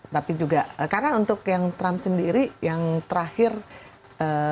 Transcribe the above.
tapi juga karena untuk yang trump sendiri yang terakhir ee